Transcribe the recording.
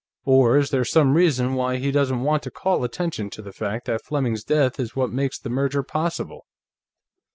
Or is there some reason why he doesn't want to call attention to the fact that Fleming's death is what makes the merger possible?"